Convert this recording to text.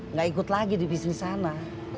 nggak ikut lagi di bisnis sana